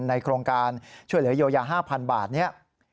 ในโครงการช่วยเหลือเยียวยา๕๐๐๐บาทนี้